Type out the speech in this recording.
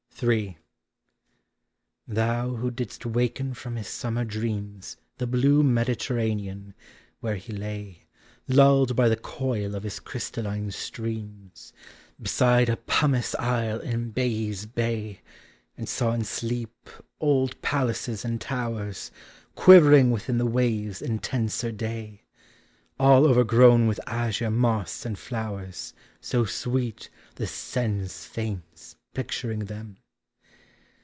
in. Thou who didst waken from his summer dreams The blue Mediterranean, where he lay, Lu lled by the coil of his crystalline streams, Beside a pumice isle in Baiae's bay, And saw in sleep old palaces and towers Quivering within the waves' intenser day, Ml overgrown with azure moss and flowers So sweet the sense faints picturing them!